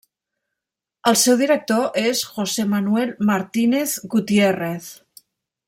El seu director és José Manuel Martínez Gutiérrez.